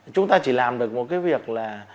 chúng ta chỉ làm được một cái việc là